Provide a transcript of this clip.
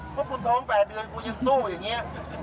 เพราะคุณท้อง๘เดือนกูยังสู้อย่างนี้